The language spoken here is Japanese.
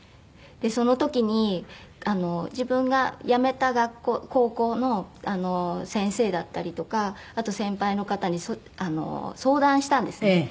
その時に自分が辞めた高校の先生だったりとかあと先輩の方に相談したんですね。